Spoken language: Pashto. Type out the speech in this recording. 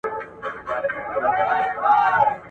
آیا د نوي تعلیمي نظام مقررات د وخت په تیریدو سره بدلیږي؟